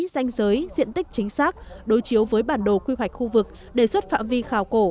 danh giới diện tích chính xác đối chiếu với bản đồ quy hoạch khu vực đề xuất phạm vi khảo cổ